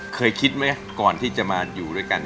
เคยคิดไหมก่อนที่จะมาอยู่ด้วยกัน